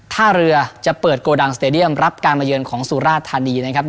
ท่าเรือจะเปิดโกดังสเตดียมรับการมาเยือนของสุราธานีนะครับ